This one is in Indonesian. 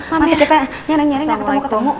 masa kita nyarang nyarang gak ketemu ketemu